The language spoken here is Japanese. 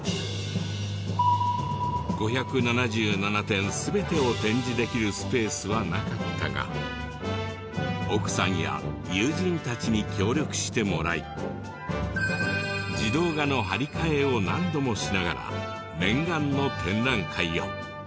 ５７７点全てを展示できるスペースはなかったが奥さんや友人たちに協力してもらい児童画の貼り替えを何度もしながら念願の展覧会を。